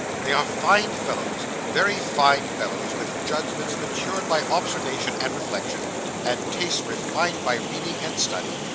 'They are fine fellows very fine fellows; with judgments matured by observation and reflection; and tastes refined by reading and study.